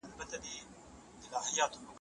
دوی سوله غواړی